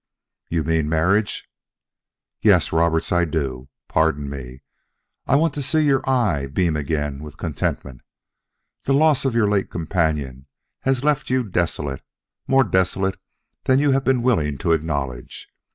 "You mean marriage?" "Yes, Roberts, I do. Pardon me; I want to see your eye beam again with contentment. The loss of your late companion has left you desolate, more desolate than you have been willing to acknowledge.